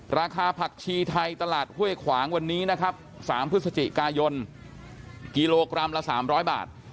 ราคาผักชีไทยตลาดห้วยขวางวันนี้นะครับ๓พฤศจิกายนกิโลกรัมละ๓๐๐บาท